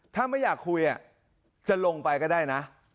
ถ้าไม่อยากคุยจะลงไปก็ได้นะ